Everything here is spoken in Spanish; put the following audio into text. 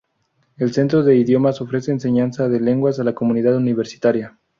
El Centro de Idiomas ofrece enseñanza de lenguas a la comunidad universitaria.